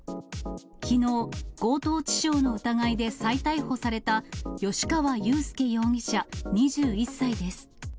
きのう、強盗致傷の疑いで再逮捕された、由川祐輔容疑者２１歳です。